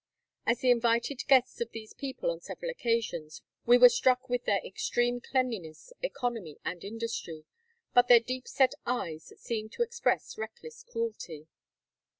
As the invited guests of these people on several occasions, we were struck with their extreme cleanliness, economy, and industry; but their deep set eyes seem to express reckless cruelty.